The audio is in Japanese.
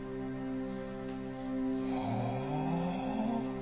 はあ。